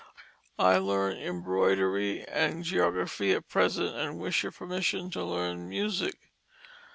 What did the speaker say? I learn Embroiderey and Geography at present, and wish your permission to learn Musick....